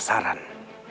dan aku akan menangkap dia